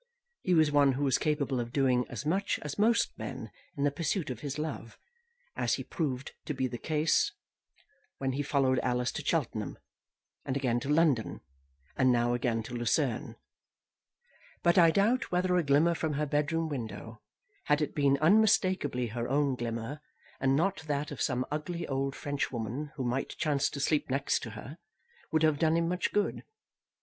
He was one who was capable of doing as much as most men in the pursuit of his love, as he proved to be the case when he followed Alice to Cheltenham, and again to London, and now again to Lucerne; but I doubt whether a glimmer from her bedroom window, had it been unmistakably her own glimmer, and not that of some ugly old French woman who might chance to sleep next to her, would have done him much good.